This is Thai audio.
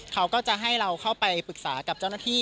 เขาก็จะให้เราเข้าไปปรึกษากับเจ้าหน้าที่